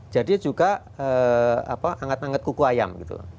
jadi juga anget anget kuku ayam